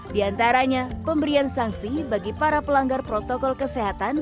diantaranya pemberian sanksi bagi para pelanggar protokol kesehatan